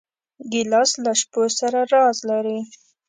ګیلاس له شپو سره راز لري.